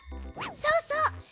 そうそう。